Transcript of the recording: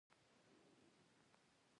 دا نجلۍ دې څه ده؟